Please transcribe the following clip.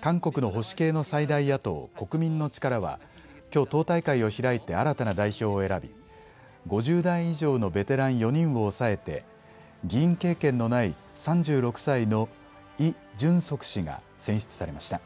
韓国の保守系の最大野党、国民の力はきょう党大会を開いて新たな代表を選び５０代以上のベテラン４人を抑えて議員経験のない３６歳のイ・ジュンソク氏が選出されました。